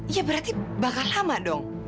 ya berarti bakal lama dong